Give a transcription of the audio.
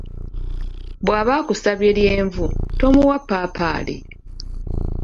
"Bw'aba akusabye lyenvu, tomuwa ppaapaali."